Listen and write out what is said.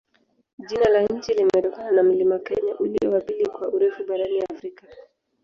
Jina la nchi limetokana na mlima Kenya, ulio wa pili kwa urefu barani Afrika.